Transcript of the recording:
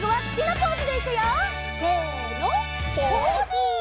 ポーズ！